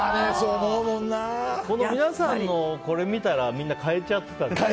皆さんのこれ見たらみんな変えちゃってた。